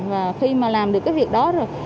và khi mà làm được cái việc này